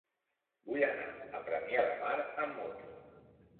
Vull anar a Premià de Mar amb moto.